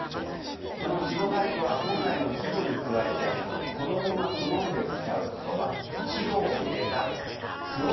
この稚語俳句は本来の季語に加えて子どもが好んで使う言葉稚語を入れた句をいいます。